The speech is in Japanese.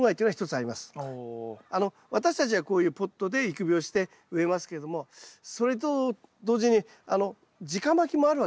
私たちはこういうポットで育苗して植えますけどもそれと同時にじかまきもあるわけですね。